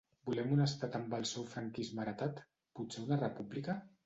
Volem un estat amb el seu franquisme heretat, potser una república?